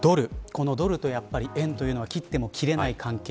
このドルと円というのは切っても切れない関係。